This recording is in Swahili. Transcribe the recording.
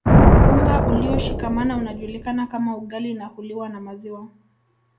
Unga ulioshikamana unajulikana kama ugali na huliwa na maziwa